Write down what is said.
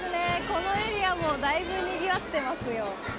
このエリアもだいぶにぎわってますよ。